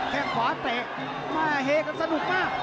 แข้งขวาเตะเฮกันสนุกมาก